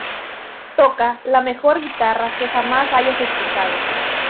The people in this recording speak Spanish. Toca la mejor guitarra que jamás hayas escuchado.